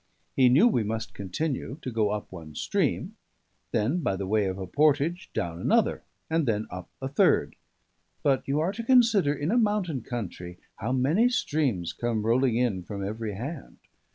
He knew we must continue to go up one stream; then, by way of a portage, down another; and then up a third. But you are to consider, in a mountain country, how many streams come rolling in from every hand.